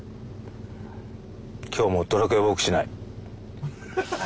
今日はもう『ドラクエウォーク』しない。